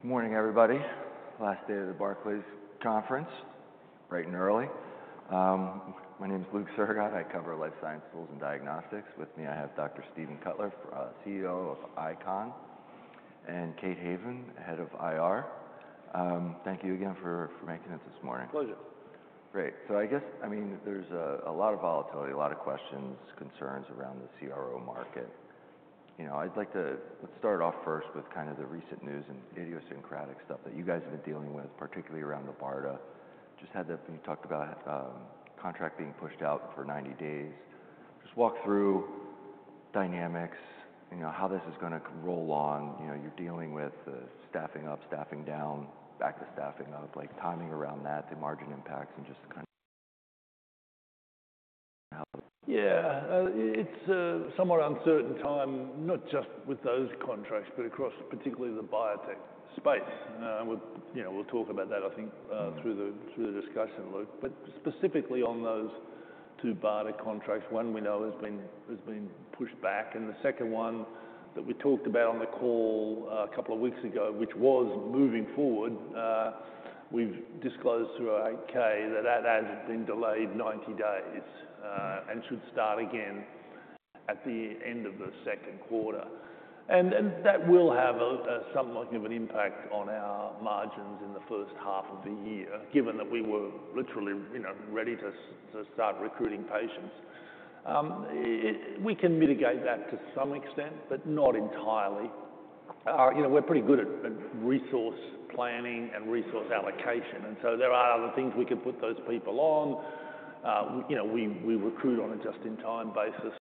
Good morning, everybody. Last day of the Barclays Conference, bright and early. My name is Luke Sergott. I cover life sciences and diagnostics. With me I have Dr. Steven Cutler, CEO of ICON, and Kate Haven, Head of IR. Thank you again for making it this morning. Pleasure. Great. I guess, I mean, there's a lot of volatility, a lot of questions, concerns around the CRO market. You know, I'd like to, let's start off first with kind of the recent news and idiosyncratic stuff that you guys have been dealing with, particularly around the BARDA. Just had the, you talked about contract being pushed out for 90 days. Just walk through dynamics, you know, how this is going to roll on. You know, you're dealing with the staffing up, staffing down, back to staffing up, like timing around that, the margin impacts, and just kind of how. Yeah, it's a somewhat uncertain time, not just with those contracts, but across particularly the biotech space. And we'll, you know, we'll talk about that, I think, through the discussion, Luke. But specifically on those two BARDA contracts, one we know has been pushed back. The second one that we talked about on the call a couple of weeks ago, which was moving forward, we've disclosed through 8-K that that has been delayed 90 days and should start again at the end of the second quarter. That will have something like an impact on our margins in the first half of the year, given that we were literally, you know, ready to start recruiting patients. We can mitigate that to some extent, but not entirely. You know, we're pretty good at resource planning and resource allocation. There are other things we can put those people on. You know, we recruit on a just-in-time basis.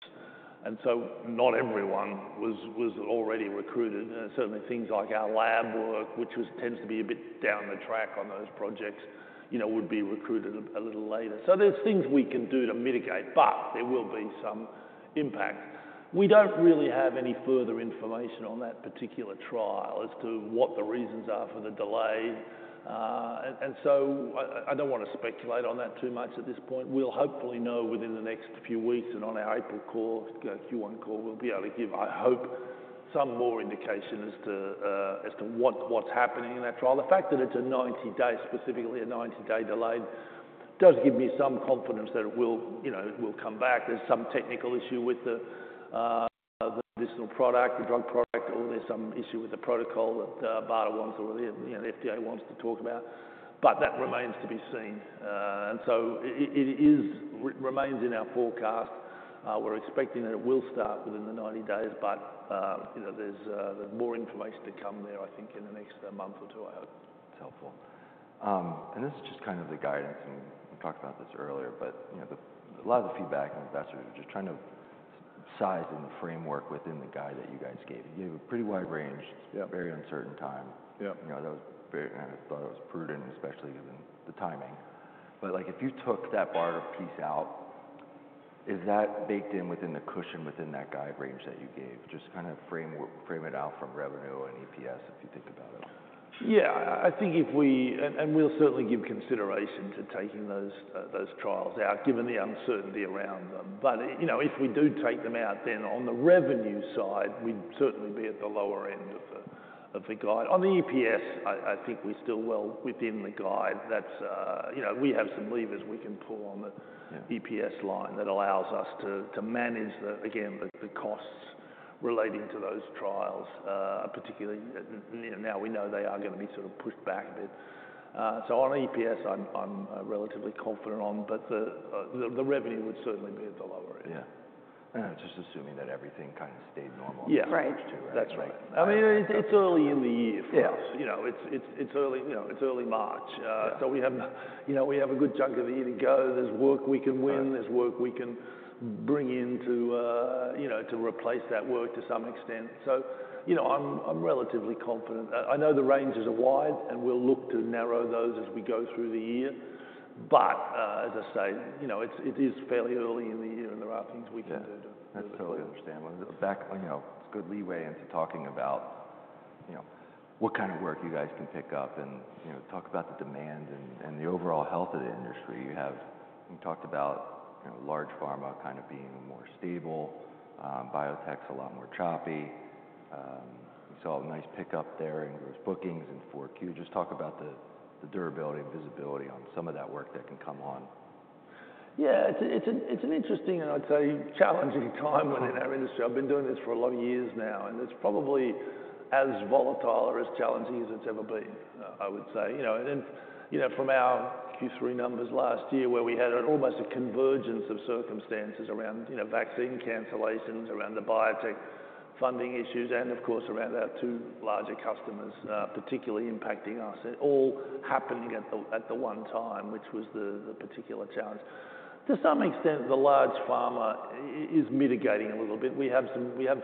And so not everyone was already recruited. Certainly things like our lab work, which tends to be a bit down the track on those projects, you know, would be recruited a little later. So there's things we can do to mitigate, but there will be some impact. We don't really have any further information on that particular trial as to what the reasons are for the delay. I don't want to speculate on that too much at this point. We'll hopefully know within the next few weeks and on our April call, Q1 call, we'll be able to give, I hope, some more indication as to what's happening in that trial. The fact that it's a 90-day, specifically a 90-day delay, does give me some confidence that it will, you know, it will come back. There's some technical issue with the medicinal product, the drug product, or there's some issue with the protocol that BARDA wants or the FDA wants to talk about. That remains to be seen. It remains in our forecast. We're expecting that it will start within the 90 days, but, you know, there's more information to come there, I think, in the next month or two, I hope. That's helpful. This is just kind of the guidance, and we talked about this earlier, but, you know, a lot of the feedback and the investors are just trying to size in the framework within the guide that you guys gave. You gave a pretty wide range, very uncertain time. You know, that was very, I thought it was prudent, especially given the timing. Like if you took that BARDA piece out, is that baked in within the cushion within that guide range that you gave? Just kind of frame it out from revenue and EPS, if you think about it. Yeah, I think if we, and we'll certainly give consideration to taking those trials out, given the uncertainty around them. But, you know, if we do take them out, then on the revenue side, we'd certainly be at the lower end of the guide. On the EPS, I think we're still well within the guide. That's, you know, we have some levers we can pull on the EPS line that allows us to manage the, again, the costs relating to those trials, particularly now we know they are going to be sort of pushed back a bit. On EPS, I'm relatively confident on, but the revenue would certainly be at the lower end. Yeah. Just assuming that everything kind of stayed normal in the first two. Yeah, that's right. I mean, it's early in the year for us. You know, it's early, you know, it's early March. So we have, you know, we have a good chunk of the year to go. There's work we can win. There's work we can bring in to, you know, to replace that work to some extent. You know, I'm relatively confident. I know the ranges are wide and we'll look to narrow those as we go through the year. As I say, you know, it is fairly early in the year and there are things we can do to improve those. I totally understand. Back, you know, it's a good leeway into talking about, you know, what kind of work you guys can pick up and, you know, talk about the demand and the overall health of the industry. You have, you talked about, you know, large pharma kind of being more stable, biotech's a lot more choppy. We saw a nice pickup there in those bookings in 4Q. Just talk about the durability and visibility on some of that work that can come on. Yeah, it's an interesting and I'd say challenging time within our industry. I've been doing this for a lot of years now and it's probably as volatile or as challenging as it's ever been, I would say. You know, and then, you know, from our Q3 numbers last year where we had almost a convergence of circumstances around, you know, vaccine cancellations, around the biotech funding issues, and of course around our two larger customers, particularly impacting us. It all happened at the one time, which was the particular challenge. To some extent, the large pharma is mitigating a little bit. We have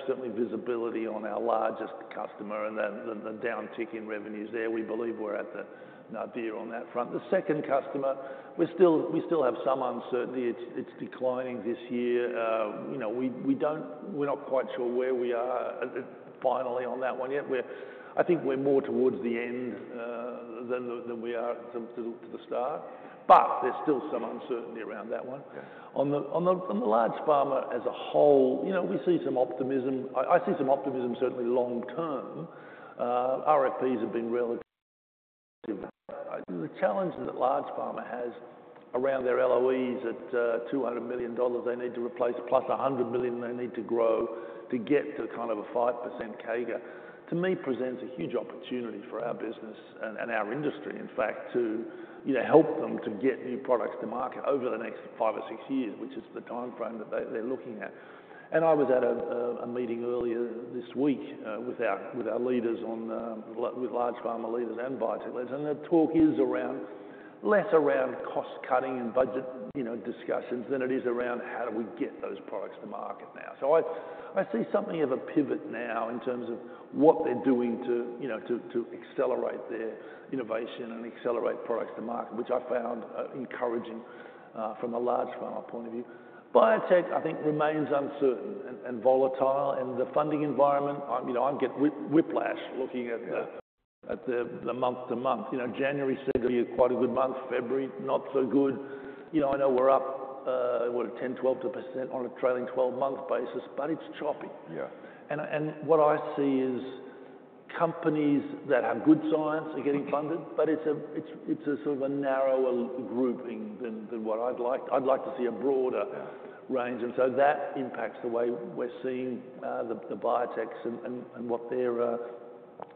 certainly visibility on our largest customer and the downtick in revenues there. We believe we're at the near on that front. The second customer, we still have some uncertainty. It's declining this year. You know, we don't, we're not quite sure where we are finally on that one yet. I think we're more towards the end than we are to the start. There is still some uncertainty around that one. On the large pharma as a whole, you know, we see some optimism. I see some optimism certainly long term. RFPs have been relatively positive. The challenge that large pharma has around their LOEs at $200 million, they need to replace plus $100 million they need to grow to get to kind of a 5% CAGR, to me presents a huge opportunity for our business and our industry, in fact, to, you know, help them to get new products to market over the next five or six years, which is the timeframe that they're looking at. I was at a meeting earlier this week with our leaders, with large pharma leaders and biotech leaders. The talk is less around cost cutting and budget discussions than it is around how do we get those products to market now. I see something of a pivot now in terms of what they're doing to accelerate their innovation and accelerate products to market, which I found encouraging from a large pharma point of view. Biotech, I think, remains uncertain and volatile. The funding environment, you know, I get whiplash looking at the month to month. January said it'll be quite a good month. February, not so good. I know we're up, what, 10-12% on a trailing 12-month basis, but it's choppy. What I see is companies that have good science are getting funded, but it's a sort of a narrower grouping than what I'd like. I'd like to see a broader range. That impacts the way we're seeing the biotechs and what they're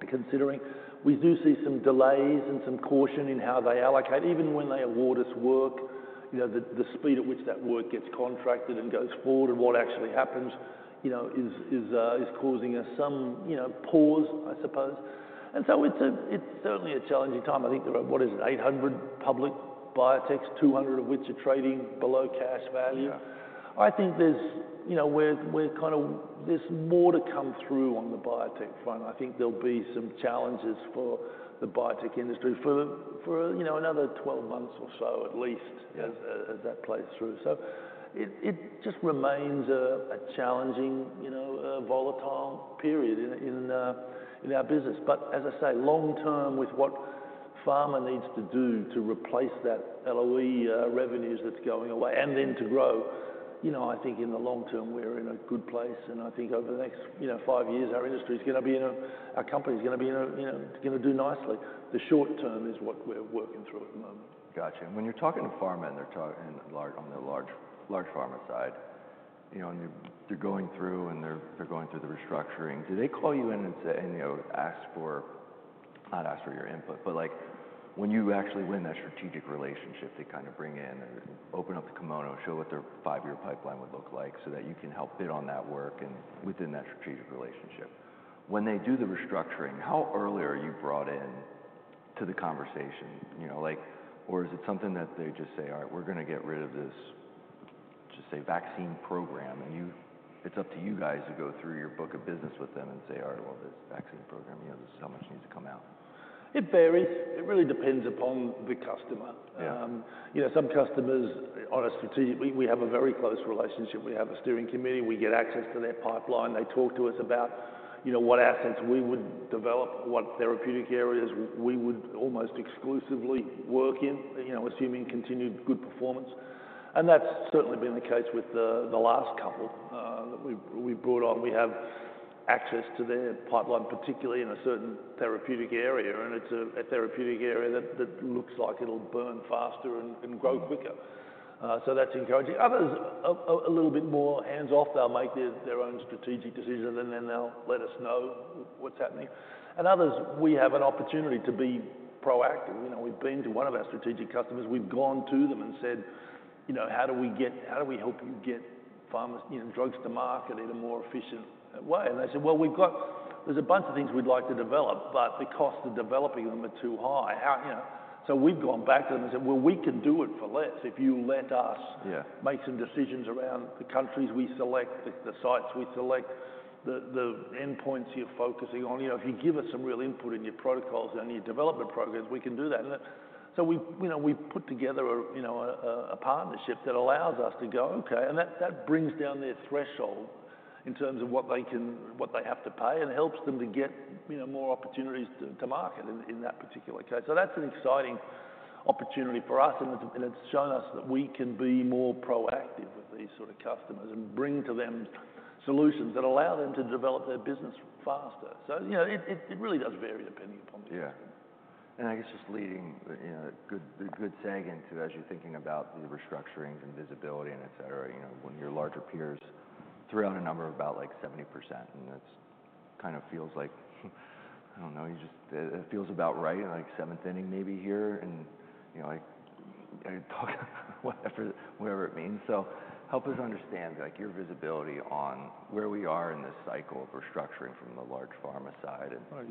considering. We do see some delays and some caution in how they allocate. Even when they award us work, you know, the speed at which that work gets contracted and goes forward and what actually happens, you know, is causing us some, you know, pause, I suppose. It is certainly a challenging time. I think there are, what is it, 800 public biotechs, 200 of which are trading below cash value. I think there's, you know, we're kind of, there's more to come through on the biotech front. I think there'll be some challenges for the biotech industry for, you know, another 12 months or so at least as that plays through. It just remains a challenging, you know, volatile period in our business. As I say, long term with what pharma needs to do to replace that LOE revenues that's going away and then to grow, you know, I think in the long term we're in a good place. I think over the next, you know, five years, our industry's going to be, our company's going to be, you know, going to do nicely. The short term is what we're working through at the moment. Gotcha. When you're talking to pharma and they're talking on the large pharma side, you know, and they're going through and they're going through the restructuring, do they call you in and say, and, you know, ask for, not ask for your input, but like when you actually win that strategic relationship, they kind of bring in, open up the kimono, show what their five-year pipeline would look like so that you can help bid on that work and within that strategic relationship. When they do the restructuring, how early are you brought in to the conversation, you know, like, or is it something that they just say, all right, we're going to get rid of this, just say, vaccine program, and you, it's up to you guys to go through your book of business with them and say, all right, well, this vaccine program, you know, this is how much needs to come out. It varies. It really depends upon the customer. You know, some customers on a strategic, we have a very close relationship. We have a steering committee. We get access to their pipeline. They talk to us about, you know, what assets we would develop, what therapeutic areas we would almost exclusively work in, you know, assuming continued good performance. That's certainly been the case with the last couple that we brought on. We have access to their pipeline, particularly in a certain therapeutic area. It's a therapeutic area that looks like it'll burn faster and grow quicker. That's encouraging. Others, a little bit more hands-off. They'll make their own strategic decisions and then they'll let us know what's happening. Others, we have an opportunity to be proactive. You know, we've been to one of our strategic customers. We've gone to them and said, you know, how do we get, how do we help you get pharma drugs to market in a more efficient way? They said, well, we've got, there's a bunch of things we'd like to develop, but the cost of developing them are too high. You know, so we've gone back to them and said, well, we can do it for less if you let us make some decisions around the countries we select, the sites we select, the endpoints you're focusing on. You know, if you give us some real input in your protocols and your development programs, we can do that. We, you know, we've put together, you know, a partnership that allows us to go, okay, and that brings down their threshold in terms of what they can, what they have to pay and helps them to get, you know, more opportunities to market in that particular case. That's an exciting opportunity for us. It's shown us that we can be more proactive with these sort of customers and bring to them solutions that allow them to develop their business faster. You know, it really does vary depending upon the customer. I guess just leading, you know, good segue into, as you're thinking about the restructurings and visibility and et cetera, you know, when your larger peers threw out a number of about like 70% and that kind of feels like, I don't know, you just, it feels about right, like seventh inning maybe here and, you know, like talk whatever it means. Help us understand like your visibility on where we are in this cycle of restructuring from the large pharma side and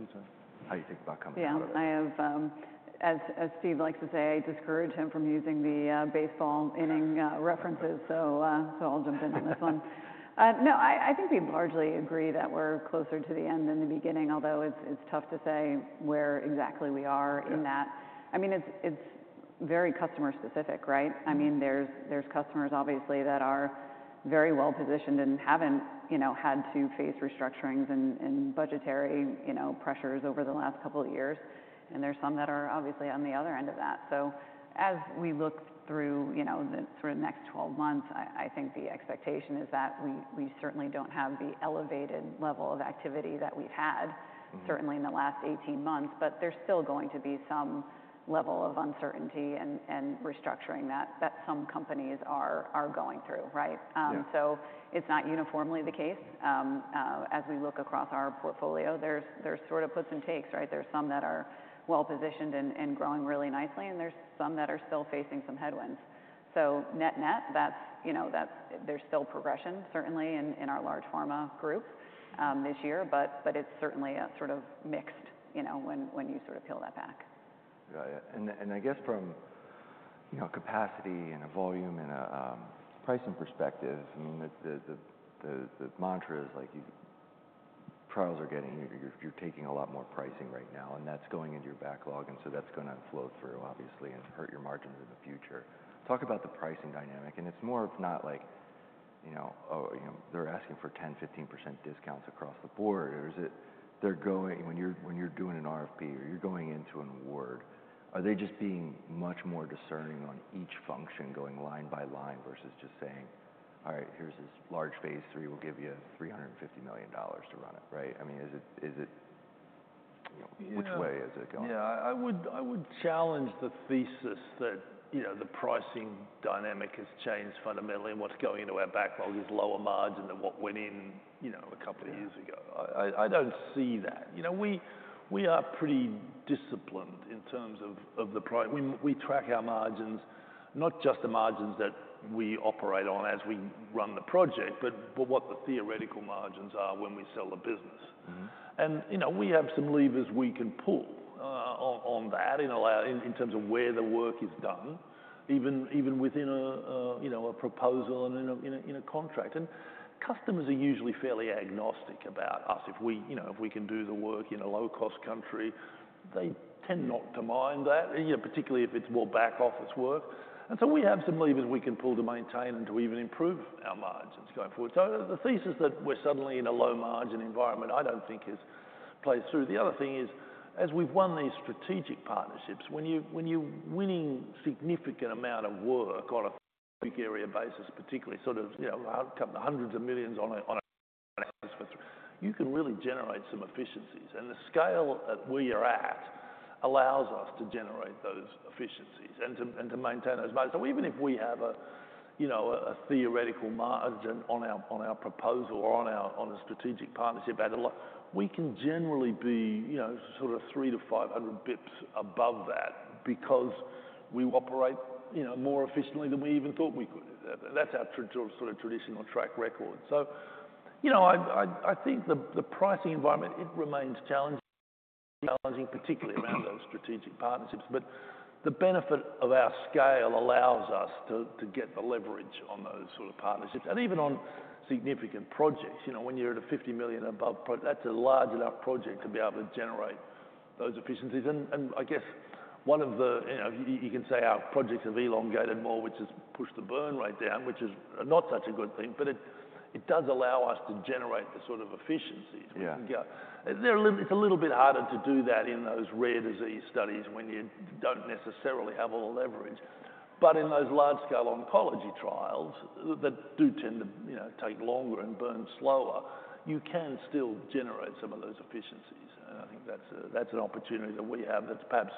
how you think about coming out of it. Yeah, I have, as Steve likes to say, I discourage him from using the baseball inning references. I'll jump in on this one. No, I think we largely agree that we're closer to the end than the beginning, although it's tough to say where exactly we are in that. I mean, it's very customer specific, right? I mean, there's customers obviously that are very well positioned and haven't, you know, had to face restructurings and budgetary, you know, pressures over the last couple of years. There's some that are obviously on the other end of that. As we look through, you know, the sort of next 12 months, I think the expectation is that we certainly do not have the elevated level of activity that we have had certainly in the last 18 months, but there is still going to be some level of uncertainty and restructuring that some companies are going through, right? It is not uniformly the case. As we look across our portfolio, there are sort of puts and takes, right? There are some that are well positioned and growing really nicely, and there are some that are still facing some headwinds. Net net, that is, you know, there is still progression certainly in our large pharma group this year, but it is certainly a sort of mixed, you know, when you sort of peel that back. Yeah. I guess from, you know, capacity and a volume and a pricing perspective, I mean, the mantra is like trials are getting, you're taking a lot more pricing right now, and that's going into your backlog. That's going to flow through obviously and hurt your margins in the future. Talk about the pricing dynamic. It's more of not like, you know, they're asking for 10-15% discounts across the board. Or is it they're going, when you're doing an RFP or you're going into an award, are they just being much more discerning on each function going line by line versus just saying, all right, here's this large phase three, we'll give you $350 million to run it, right? I mean, is it, which way is it going? Yeah, I would challenge the thesis that, you know, the pricing dynamic has changed fundamentally and what's going into our backlog is lower margin than what went in, you know, a couple of years ago. I don't see that. You know, we are pretty disciplined in terms of the price. We track our margins, not just the margins that we operate on as we run the project, but what the theoretical margins are when we sell the business. You know, we have some levers we can pull on that in terms of where the work is done, even within a, you know, a proposal and in a contract. Customers are usually fairly agnostic about us. If we, you know, if we can do the work in a low-cost country, they tend not to mind that, you know, particularly if it's more back office work. We have some levers we can pull to maintain and to even improve our margins going forward. The thesis that we're suddenly in a low margin environment, I don't think plays through. The other thing is, as we've won these strategic partnerships, when you're winning significant amount of work on a big area basis, particularly sort of, you know, hundreds of millions on a business, you can really generate some efficiencies. The scale that we are at allows us to generate those efficiencies and to maintain those margins. Even if we have a, you know, a theoretical margin on our proposal or on a strategic partnership, we can generally be, you know, sort of 300-500 basis points above that because we operate, you know, more efficiently than we even thought we could. That's our sort of traditional track record. You know, I think the pricing environment, it remains challenging, particularly around those strategic partnerships. The benefit of our scale allows us to get the leverage on those sort of partnerships. Even on significant projects, you know, when you're at a $50 million above project, that's a large enough project to be able to generate those efficiencies. I guess one of the, you know, you can say our projects have elongated more, which has pushed the burn rate down, which is not such a good thing, but it does allow us to generate the sort of efficiencies. It's a little bit harder to do that in those rare disease studies when you don't necessarily have all the leverage. In those large scale oncology trials that do tend to, you know, take longer and burn slower, you can still generate some of those efficiencies. I think that's an opportunity that we have that's perhaps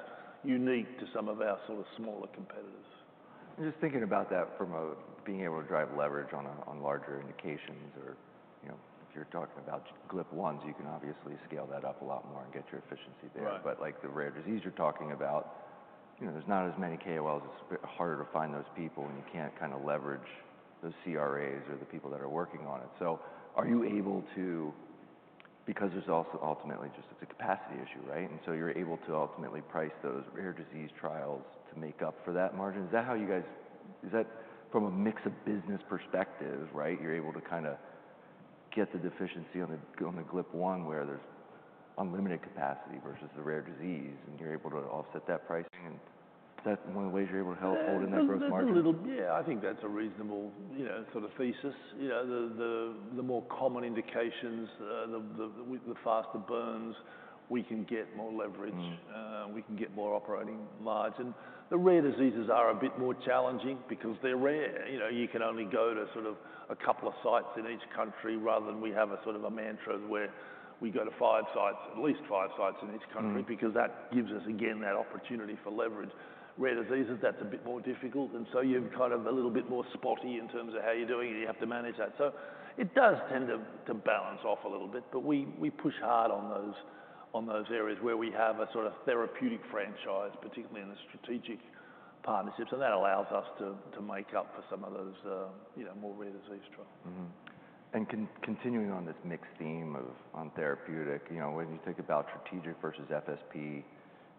unique to some of our sort of smaller competitors. Just thinking about that from a being able to drive leverage on larger indications or, you know, if you're talking about GLP-1s, you can obviously scale that up a lot more and get your efficiency there. Like the rare disease you're talking about, you know, there's not as many KOLs, it's harder to find those people and you can't kind of leverage those CRAs or the people that are working on it. Are you able to, because there's also ultimately just it's a capacity issue, right? You're able to ultimately price those rare disease trials to make up for that margin. Is that how you guys, is that from a mix of business perspective, right? You're able to kind of get the efficiency on the GLP-1 where there's unlimited capacity versus the rare disease and you're able to offset that pricing. Is that one of the ways you're able to help hold in that gross margin? Yeah, I think that's a reasonable, you know, sort of thesis. You know, the more common indications, the faster burns, we can get more leverage, we can get more operating margin. The rare diseases are a bit more challenging because they're rare. You know, you can only go to sort of a couple of sites in each country rather than we have a sort of a mantra where we go to five sites, at least five sites in each country because that gives us again that opportunity for leverage. Rare diseases, that's a bit more difficult. You are kind of a little bit more spotty in terms of how you're doing it. You have to manage that. It does tend to balance off a little bit, but we push hard on those areas where we have a sort of therapeutic franchise, particularly in the strategic partnerships. That allows us to make up for some of those, you know, more rare disease trials. Continuing on this mixed theme of on therapeutic, you know, when you think about strategic versus FSP, you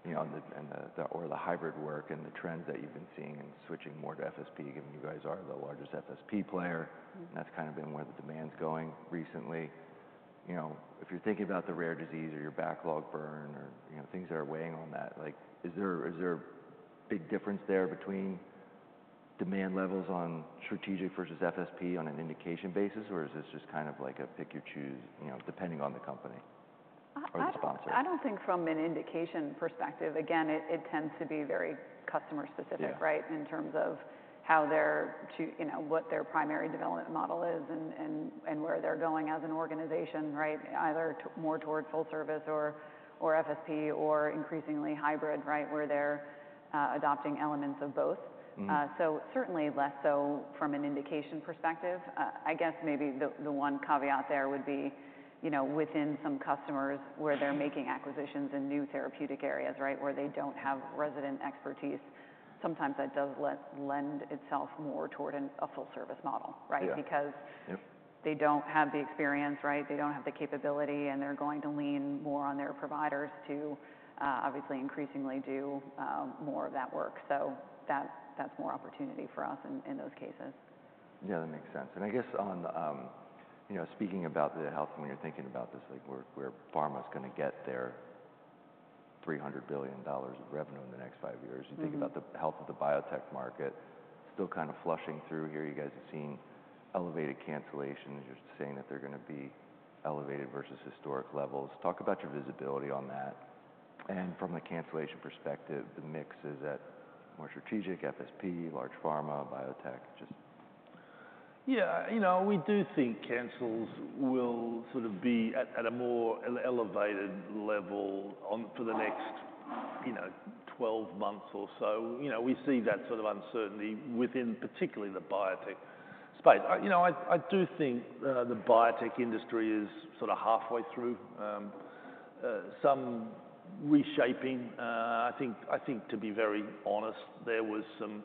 know, and the, or the hybrid work and the trends that you've been seeing and switching more to FSP, given you guys are the largest FSP player, and that's kind of been where the demand's going recently. You know, if you're thinking about the rare disease or your backlog burn or, you know, things that are weighing on that, like is there a big difference there between demand levels on strategic versus FSP on an indication basis or is this just kind of like a pick your choose, you know, depending on the company or the sponsor? I don't think from an indication perspective, again, it tends to be very customer specific, right, in terms of how they're, you know, what their primary development model is and where they're going as an organization, right, either more toward full service or FSP or increasingly hybrid, right, where they're adopting elements of both. Certainly less so from an indication perspective. I guess maybe the one caveat there would be, you know, within some customers where they're making acquisitions in new therapeutic areas, right, where they don't have resident expertise, sometimes that does lend itself more toward a full service model, right, because they don't have the experience, right, they don't have the capability and they're going to lean more on their providers to obviously increasingly do more of that work. That's more opportunity for us in those cases. Yeah, that makes sense. I guess on, you know, speaking about the health, when you're thinking about this, like where pharma's going to get their $300 billion of revenue in the next five years, you think about the health of the biotech market still kind of flushing through here. You guys have seen elevated cancellations. You're saying that they're going to be elevated versus historic levels. Talk about your visibility on that. From a cancellation perspective, the mix is at more strategic, FSP, large pharma, biotech, just. Yeah, you know, we do think cancels will sort of be at a more elevated level for the next, you know, 12 months or so. You know, we see that sort of uncertainty within particularly the biotech space. You know, I do think the biotech industry is sort of halfway through some reshaping. I think, to be very honest, there was some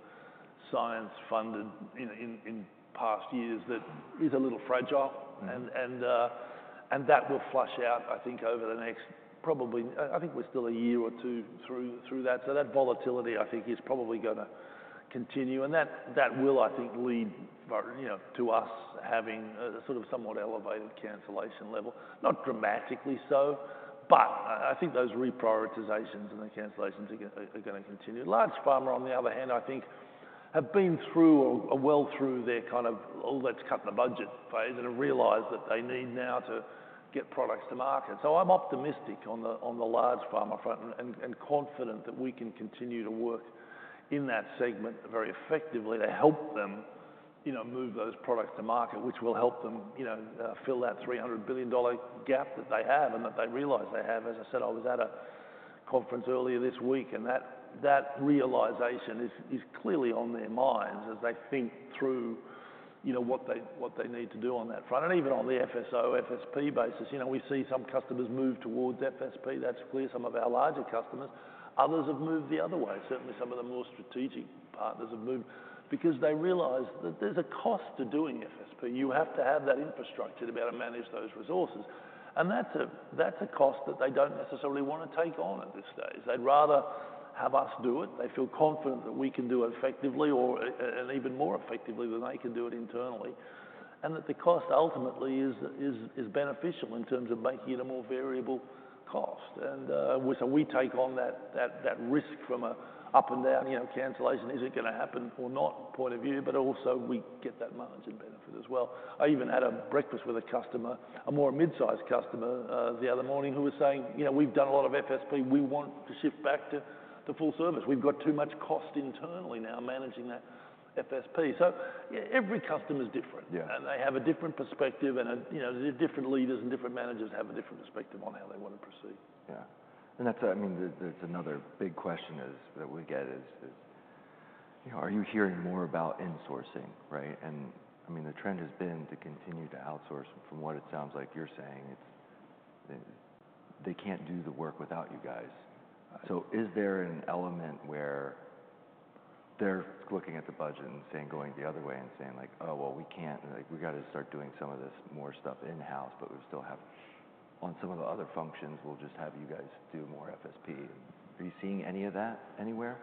science funded in past years that is a little fragile and that will flush out, I think, over the next probably, I think we're still a year or two through that. That volatility, I think, is probably going to continue. That will, I think, lead, you know, to us having a sort of somewhat elevated cancellation level, not dramatically so, but I think those reprioritizations and the cancellations are going to continue. Large pharma, on the other hand, I think have been through or well through their kind of, oh, let's cut the budget phase and have realized that they need now to get products to market. I am optimistic on the large pharma front and confident that we can continue to work in that segment very effectively to help them, you know, move those products to market, which will help them, you know, fill that $300 billion gap that they have and that they realize they have. As I said, I was at a conference earlier this week and that realization is clearly on their minds as they think through, you know, what they need to do on that front. Even on the FSO, FSP basis, you know, we see some customers move towards FSP. That is clear. Some of our larger customers, others have moved the other way. Certainly, some of the more strategic partners have moved because they realize that there's a cost to doing FSP. You have to have that infrastructure to be able to manage those resources. That's a cost that they don't necessarily want to take on at this stage. They'd rather have us do it. They feel confident that we can do it effectively or even more effectively than they can do it internally. The cost ultimately is beneficial in terms of making it a more variable cost. We take on that risk from an up and down, you know, cancellation isn't going to happen or not point of view, but also we get that margin benefit as well. I even had a breakfast with a customer, a more midsize customer the other morning who was saying, you know, we've done a lot of FSP. We want to shift back to full service. We've got too much cost internally now managing that FSP. Every customer is different. They have a different perspective and, you know, different leaders and different managers have a different perspective on how they want to proceed. Yeah. And that's, I mean, that's another big question that we get is, you know, are you hearing more about insourcing, right? I mean, the trend has been to continue to outsource from what it sounds like you're saying, it's they can't do the work without you guys. Is there an element where they're looking at the budget and saying, going the other way and saying like, oh, well, we can't, like we got to start doing some of this more stuff in-house, but we still have on some of the other functions, we'll just have you guys do more FSP. Are you seeing any of that anywhere?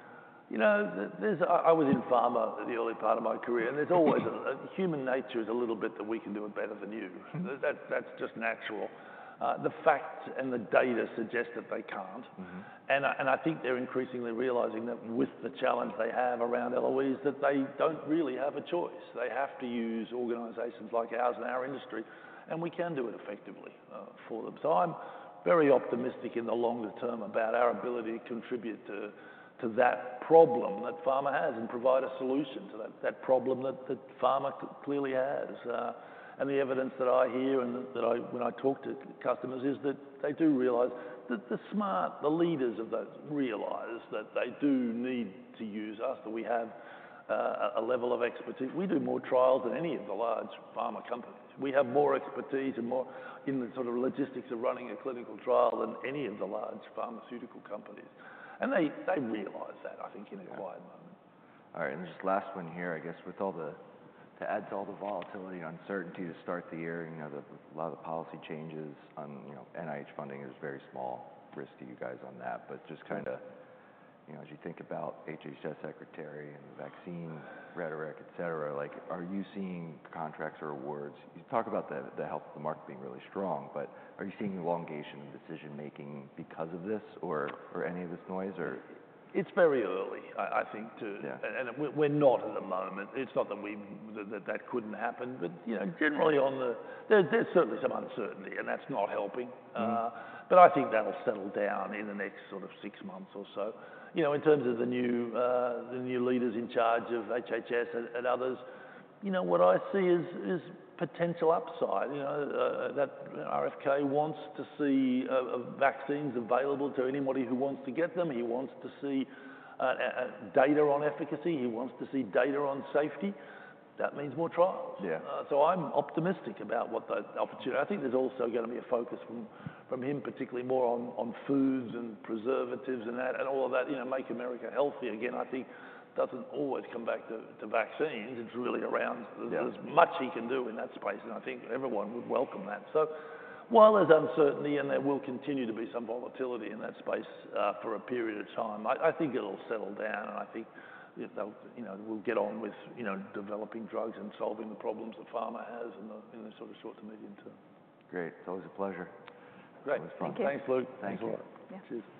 You know, I was in pharma the early part of my career and there's always a human nature is a little bit that we can do it better than you. That's just natural. The facts and the data suggest that they can't. I think they're increasingly realizing that with the challenge they have around LOEs, that they don't really have a choice. They have to use organizations like ours and our industry, and we can do it effectively for them. I am very optimistic in the longer term about our ability to contribute to that problem that pharma has and provide a solution to that problem that pharma clearly has. The evidence that I hear and that I, when I talk to customers, is that they do realize that the smart, the leaders of those realize that they do need to use us, that we have a level of expertise. We do more trials than any of the large pharma companies. We have more expertise and more in the sort of logistics of running a clinical trial than any of the large pharmaceutical companies. They realize that, I think, in a quiet moment. All right. Just last one here, I guess with all the, to add to all the volatility, uncertainty to start the year, you know, a lot of the policy changes on, you know, NIH funding is very small risk to you guys on that, but just kind of, you know, as you think about HHS secretary and the vaccine rhetoric, et cetera, like are you seeing contracts or awards? You talk about the health of the market being really strong, but are you seeing elongation in decision making because of this or any of this noise or? It's very early, I think, to, and we're not at the moment. It's not that we, that that couldn't happen, but, you know, generally on the, there's certainly some uncertainty and that's not helping. I think that'll settle down in the next sort of six months or so. You know, in terms of the new leaders in charge of HHS and others, you know, what I see is potential upside, you know, that RFK wants to see vaccines available to anybody who wants to get them. He wants to see data on efficacy. He wants to see data on safety. That means more trials. I'm optimistic about what the opportunity. I think there's also going to be a focus from him, particularly more on foods and preservatives and that and all of that, you know, Make America Healthy Again. I think doesn't always come back to vaccines. It's really around as much he can do in that space. I think everyone would welcome that. While there's uncertainty and there will continue to be some volatility in that space for a period of time, I think it'll settle down and I think they'll, you know, we'll get on with, you know, developing drugs and solving the problems that pharma has in the sort of short to medium term. Great. It's always a pleasure. Great. Thanks, Luke. Thanks a lot.